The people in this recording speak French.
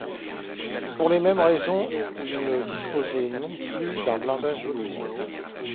Pour les mêmes raisons, il ne disposait pas non plus d'un blindage lourd.